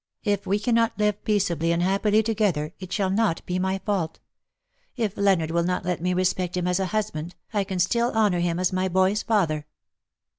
" If we cannot live peaceably and happily together it shall not be my fault. If Leonard will not let me respect him as a husband, I can still honour him as my boy^s father.